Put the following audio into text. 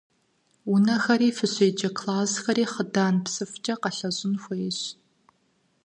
Унэрхэри, фыщеджэ классхэр хъыдан псыфкӀэ къэлъэщӀын хуейщ.